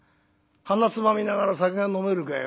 鼻つまみながら酒が飲めるかよ。